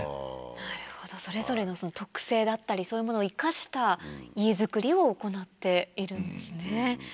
なるほどそれぞれのその特性だったりそういうものを生かした家造りを行っているんですね。